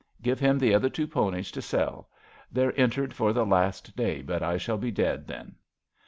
Give him the other two ponies to sell. They're entered for the last day, but I shall be dead then.